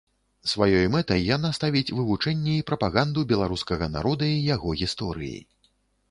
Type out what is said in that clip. Сваёй мэтай яна ставіць вывучэнне і прапаганду беларускага народа і яго гісторыі.